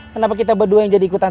kenapa kita berdua yang jadi ikutan